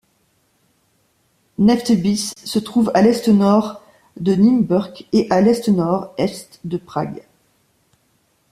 Netřebice se trouve à à l'est-nord-est de Nymburk et à à l'est-nord-est de Prague.